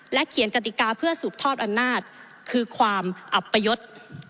และเขียนกฎิกาเพื่อสูบทอดอันนาจคือความอับประยุทธ์